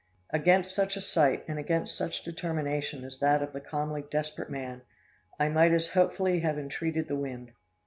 "Against such a sight, and against such determination as that of the calmly desperate man, I might as hopefully have entreated the wind.